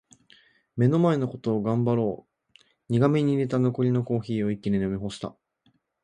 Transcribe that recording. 「目の前のことを頑張ろう」苦めに淹れた残りのコーヒーを一気に飲み干した。